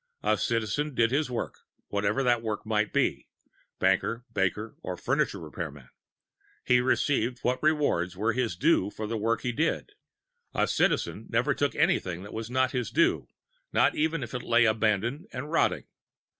A Citizen did his work, whatever that work might be banker, baker or furniture repairman. He received what rewards were his due for the work he did. A Citizen never took anything that was not his due not even if it lay abandoned and rotting.